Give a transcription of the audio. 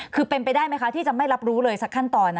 คือเป็นไปได้ไหมคะที่จะไม่รับรู้เลยสักขั้นตอน